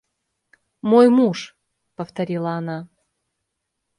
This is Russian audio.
– Мой муж! – повторила она.